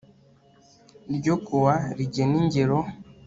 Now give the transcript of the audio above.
RYO KUWA RIGENA INGERO